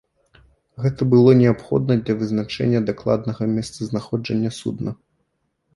Гэта было неабходна для вызначэння дакладнага месцазнаходжання судна.